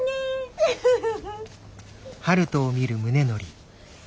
ウフフフ。